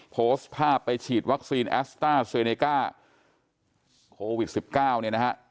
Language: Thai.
โพสต์ภาพไปฉีดวัคซีนแอสต้าเซเนก้าโควิด๑๙เนี่ยนะฮะ